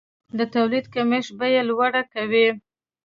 د تولید کمښت بیه لوړه کوي.